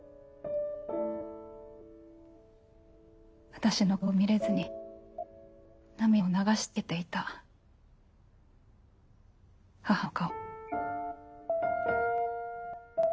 私の顔を見れずに涙を流し続けていた母の顔。